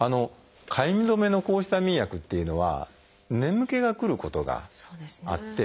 かゆみ止めの抗ヒスタミン薬っていうのは眠気がくることがあって。